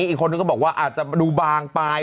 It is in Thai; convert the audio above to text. อีกคนนึงก็บอกว่าอาจจะดูบางไป